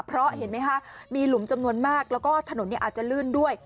เพราะเห็นไหมคะมีหลุมจำนวนมากแล้วก็ถนนอาจจะลื่นด้วย